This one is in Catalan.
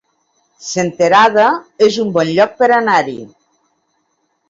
Senterada es un bon lloc per anar-hi